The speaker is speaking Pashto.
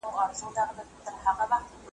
جهاني څه به پر پردیو تهمتونه وایو .